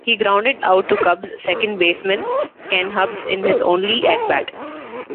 He grounded out to Cubs second baseman Ken Hubbs in his only at bat.